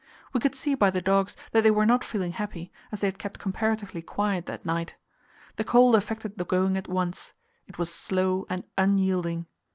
We could see by the dogs that they were not feeling happy, as they had kept comparatively quiet that night. The cold affected the going at once; it was slow and unyielding.